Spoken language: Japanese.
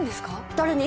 誰に？